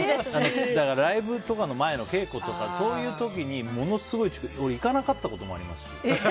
ライブとかの前の稽古とか、そういう時にものすごい遅刻行かなかったこともありますし。